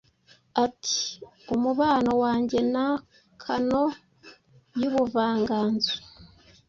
Ati: "Umubano wanjye na Canon yubuvanganzo